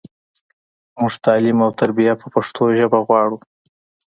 مونږ تعلیم او تربیه په پښتو ژبه غواړو